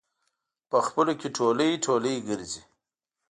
په خپلو کې ټولی ټولی ګرځي.